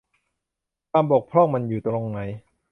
ความบกพร่องมันอยู่ตรงไหน ?